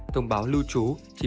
thông báo lưu trú